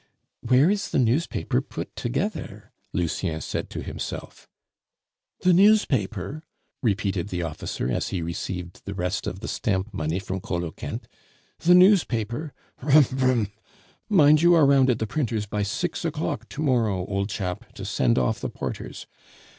"Where is the newspaper put together?" Lucien said to himself. "The newspaper?" repeated the officer, as he received the rest of the stamp money from Coloquinte, "the newspaper? broum! broum! (Mind you are round at the printers' by six o'clock to morrow, old chap, to send off the porters.)